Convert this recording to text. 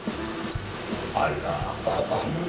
あらここも。